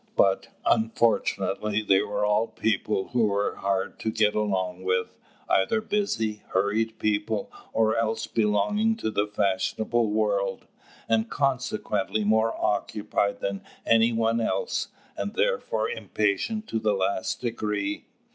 But, unfortunately, they were all people who were hard to get along with, either busy, hurried people, or else belonging to the fashionable world, and consequently more occupied than any one else, and therefore impatient to the last degree.